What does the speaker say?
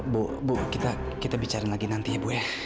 bu bu kita kita bicara lagi nanti ya bu ya